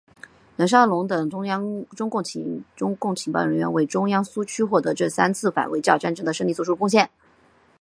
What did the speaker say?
冷少农等中共情报人员为中央苏区取得这三次反围剿战争的胜利作出了贡献。